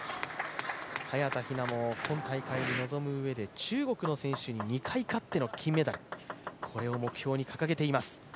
早田ひなも今大会に臨むうえで、中国の選手に２回勝っての金メダルを目標に掲げています。